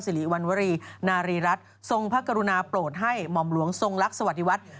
สิริวัณวรีนารีรัฐทรงพระกรุณาโปรดให้หม่อมหลวงทรงลักษณสวัสดิวัฒน์